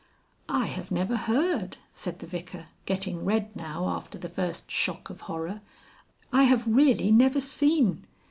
"I have never heard," said the Vicar, getting red now after the first shock of horror. "I have really never seen...."